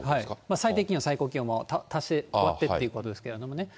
最低気温も最高気温も足して割ってということですけれどもね。